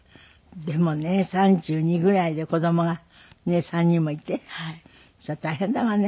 でもね３２ぐらいで子供がねえ３人もいてそりゃ大変だわね。